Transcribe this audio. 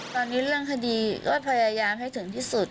ตอนนี้เรื่องคดีก็พยายามให้ถึงที่สุด